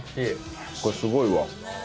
これすごいわ。